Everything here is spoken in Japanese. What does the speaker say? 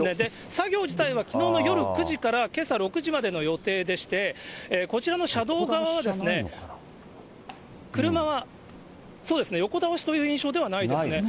作業自体は、きのうの夜９時からけさ６時までの予定でして、こちらの車道側は、車は、そうですね、横倒しという印象ではないですね。